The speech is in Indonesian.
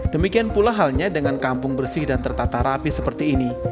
demikian pula halnya dengan kampung bersih dan tertata rapi seperti ini